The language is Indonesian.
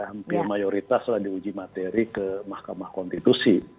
hampir mayoritas lah diuji materi ke mahkamah konstitusi